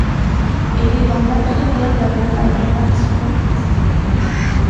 Il est dans l'après-guerre l'avocat du Parti communiste.